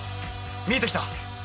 見えてきた。